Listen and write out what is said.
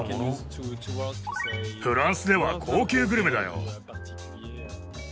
フランスでは高級グルメだよ。